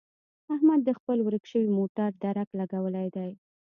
احمد د خپل ورک شوي موټر درک لګولی دی.